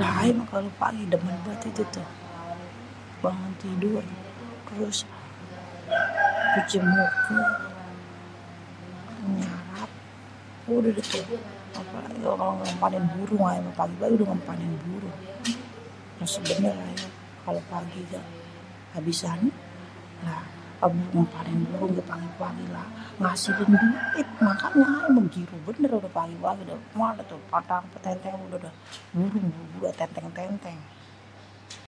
lah ayé méh kalo pagi démén bangét itu tuh bangun tidur trus cuci muké, nyarap, udéh déh tu. Ngémpanin burung pagi pagi udéh bgempanin burung, resep bener kalo pagi gé, abisan neh ngempanin lah ngempanin burung pagi pagi ngasilin duit pagi pagi ngempanin burung burung ayé tenteng tenteng